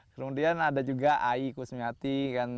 kemudian ada juga ayy kusmiati